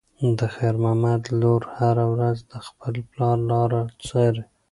د خیر محمد لور هره ورځ د خپل پلار لاره څاري.